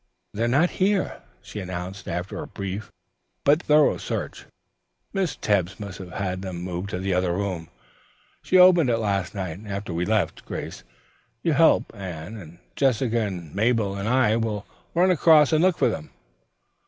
"They're not here," she announced after a brief but thorough search. "Miss Tebbs must have had them moved to the other room. She opened it last night after we left. Grace, you help Anne, and Jessica and Mabel and I will run across and look for them."